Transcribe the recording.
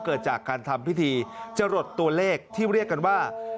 เกิดจากการทำพิธีจรดตัวเลขที่เรียกกันว่า